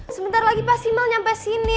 sebentar lagi pas si mel nyampe sini